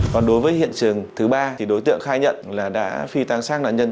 còn đối với hiện trường thứ ba thì đối tượng khai nhận là đã phi tang sát nạn nhân